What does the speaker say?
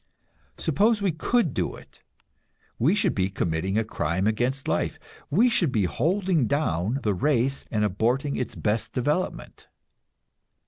Suppose we could do it, we should be committing a crime against life; we should be holding down the race and aborting its best development.